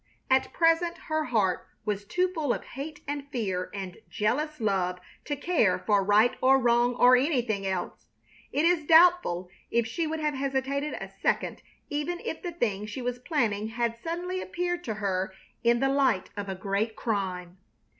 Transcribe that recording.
At present her heart was too full of hate and fear and jealous love to care for right or wrong or anything else. It is doubtful if she would have hesitated a second even if the thing she was planning had suddenly appeared to her in the light of a great crime.